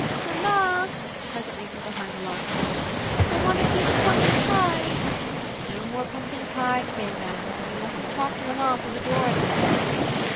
"" Mamma," presently from behind the locked door, " I want a piece o' punky pie." " No more pumpkin pie, to day, Van; and you mustn't talk to mamma through the door any more."